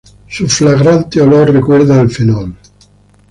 Su fragante olor recuerda al fenol.